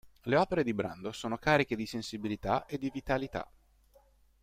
Le opere di Brando sono cariche di sensibilità e di vitalità.